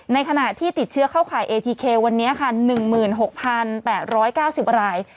ในขณะที่ติดเชื้อเข้าข่ายเอทีเควันนี้ค่ะหนึ่งหมื่นหกพันแปดร้อยเก้าสิบราย